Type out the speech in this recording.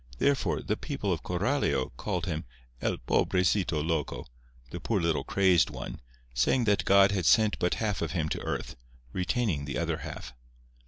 Therefore, the people of Coralio called him "El pobrecito loco"—"the poor little crazed one"—saying that God had sent but half of him to earth, retaining the other half.